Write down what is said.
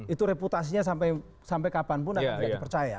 itu reputasinya sampai kapanpun akan tidak dipercaya